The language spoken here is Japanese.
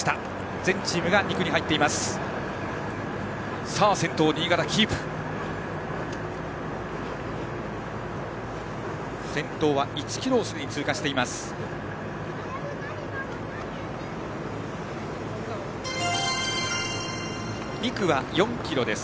全チームが２区に入っています。